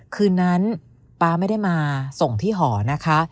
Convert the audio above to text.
คืนนั้นป๊าไม่ได้มาส่งที่หอนะคะ